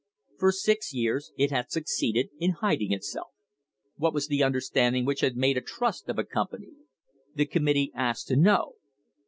For six years it had succeeded in hiding itself. What was the understand ing which had made a trust of a company? The committee asked to know.